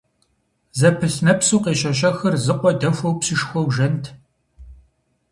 Зэпылъ нэпсу къещэщэхыр зы къуэ дэхуэу псышхуэу жэнт.